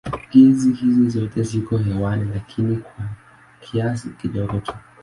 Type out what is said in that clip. Gesi hizi zote ziko hewani lakini kwa kiasi kidogo tu.